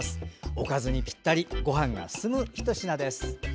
おかずにぴったりごはんが進むひと品です。